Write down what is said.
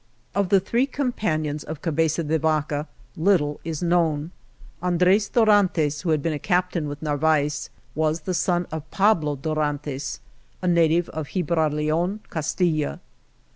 Of the three companions of Cabeza de Vaca little is known. Andres Dorantes, who had been a captain with Narvaez, was the son of Pablo Dorantes, a native of Gib raleon, Castilla.